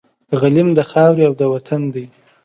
غلیم د خاوري او د وطن دی